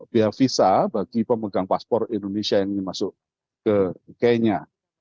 biaya visa bagi pemegang paspor indonesia yang ingin masuk ke kenya